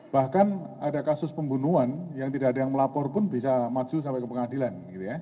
bahkan ada kasus pembunuhan yang tidak ada yang melapor pun bisa maju sampai ke pengadilan